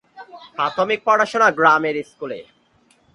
প্রাথমিক পড়াশোনা গ্রামের স্কুলে।